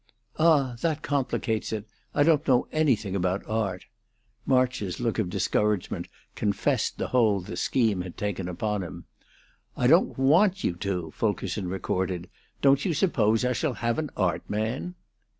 "Ah, that complicates it! I don't know anything about art." March's look of discouragement confessed the hold the scheme had taken upon him. "I don't want you to!" Fulkerson retorted. "Don't you suppose I shall have an art man?"